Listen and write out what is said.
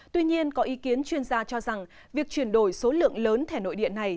tuy nhiên có ý kiến chuyên gia cho rằng việc chuyển đổi số lượng lớn thẻ nội địa này